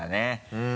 うん。